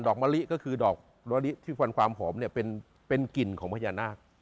ดอกมะลิก็คือดอกมะลิที่มีความหอมเป็นกลิ่นของพญานาค